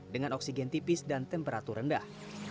dengan oksigen tipis dan temperatur rendah